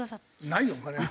ないよお金！